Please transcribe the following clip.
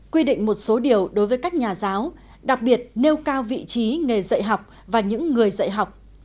quy định một số điều đối với các nhà giáo đặc biệt nêu cao vị trí nghề dạy học và những người dạy học